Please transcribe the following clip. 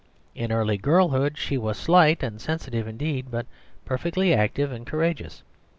In early girlhood she was slight and sensitive indeed, but perfectly active and courageous.